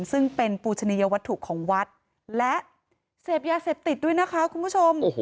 ซึ่งเป็นปูชนียวัตถุของวัดและเสพยาเสพติดด้วยนะคะคุณผู้ชม